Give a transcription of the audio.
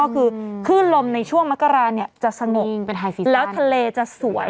คือคลื่นลมในช่วงมกราจะสงบแล้วทะเลจะสวย